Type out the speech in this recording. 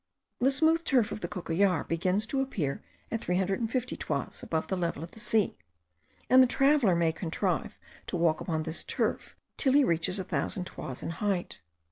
The smooth turf of the Cocollar begins to appear at 350 toises above the level of the sea, and the traveller may contrive to walk upon this turf till he reaches a thousand toises in height.